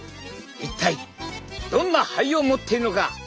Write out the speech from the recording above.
一体どんな肺を持っているのか。